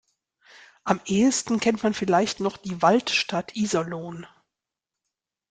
Am ehesten kennt man vielleicht noch die Waldstadt Iserlohn.